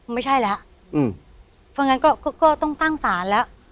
ไม่ใช่แล้วอืมเพราะงั้นก็ก็ต้องตั้งศาลแล้ว